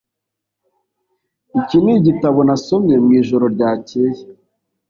Iki nigitabo nasomye mwijoro ryakeye.